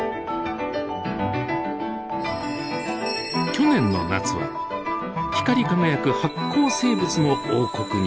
去年の夏は光り輝く発光生物の王国に潜入。